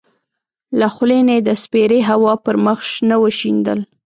له خولې نه یې د سپېرې هوا پر مخ شنه وشیندل.